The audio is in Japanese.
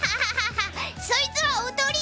そいつはおとりだ！